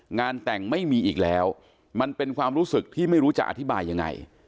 งานแต่งไม่มีอีกแล้วมันเป็นความรู้สึกที่ไม่รู้จะอธิบายยังไง